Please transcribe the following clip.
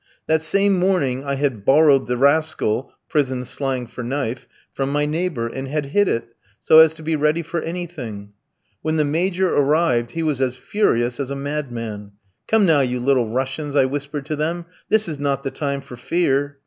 That same morning I had borrowed the 'rascal' [prison slang for knife] from my neighbour, and had hid it, so as to be ready for anything. When the Major arrived, he was as furious as a madman. 'Come now, you Little Russians,' I whispered to them, 'this is not the time for fear.'